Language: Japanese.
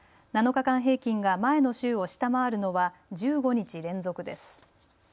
７日間平均が前の週を下回るのは１５日連続です。